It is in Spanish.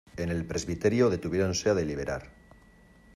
en el presbiterio detuviéronse a deliberar.